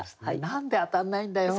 「何で当たんないんだよ！」